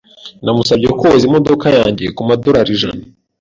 Namusabye koza imodoka yanjye kumadorari ijana.